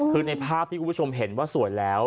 คือในภาพที่คุณผู้ชมเห็นว่าสวยแล้ว